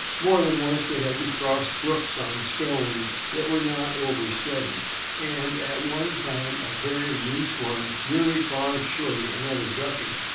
More than once they had to cross brooks on stones that were not over steady and, at one time, a very loose one nearly caused Shorty another ducking.